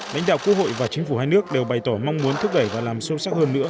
đánh đạo quốc hội và chính phủ hai nước đều bày tỏ mong muốn thức gẩy và làm sâu sắc hơn nữa